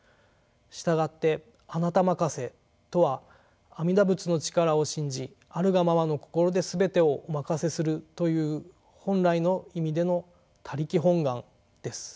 したがって「あなた任せ」とは阿弥陀仏の力を信じあるがままの心で全てをお任せするという本来の意味での「他力本願」です。